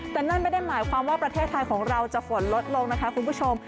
แต่นั่นไม่ได้หมายความว่าประเทศไทยของเราจะฝนลดลงนะคะคุณผู้ชม